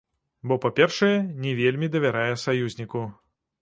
Бо, па-першае, не вельмі давярае саюзніку.